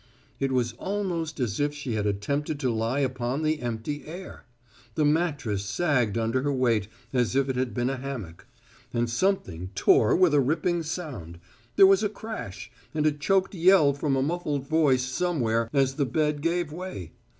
It was almost as if she had attempted to lie upon the empty air: the mattress sagged under her weight as if it had been a hammock; and something tore with a ripping sound. There was a crash, and a choked yell from a muffled voice somewhere, as the bed gave way.